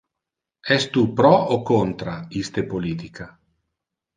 Es tu pro o contra iste politica?